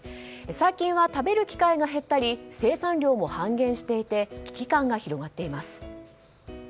最近は食べる機会が減ったり生産量も半減していて危機感が広がっています。